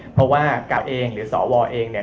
เพราะว่ากาวเองหรือสวเองเนี่ย